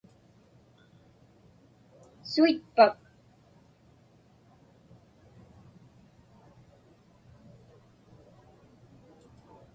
Suitpak?